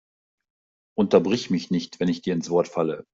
Unterbrich mich nicht, wenn ich dir ins Wort falle!